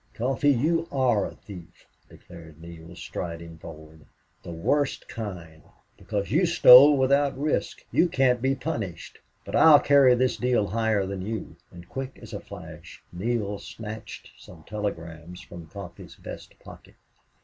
"Coffee, you ARE a thief," declared Neale, striding forward. "The worst kind. Because you stole without risk. You can't be punished. But I'll carry this deal higher than you." And quick as a flash Neale snatched some telegrams from Coffee's vest pocket.